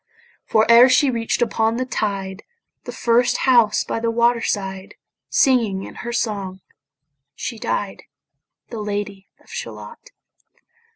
For ere she reach'd upon the tide The first house by the water side, Singing in her song she died, The Lady of Shalott.